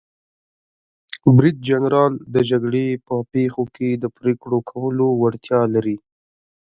برید جنرال د جګړې په پیښو کې د پریکړو کولو وړتیا لري.